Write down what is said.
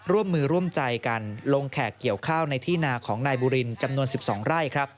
ร่วมมือร่วมใจกันลงแขกเกี่ยวข้าวในที่นาของนายบุรินจำนวน๑๒ไร่